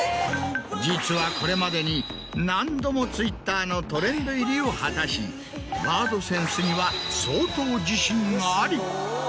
実はこれまでに何度もＴｗｉｔｔｅｒのトレンド入りを果たしワードセンスには相当自信あり。